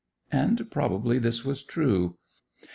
And probably this was true.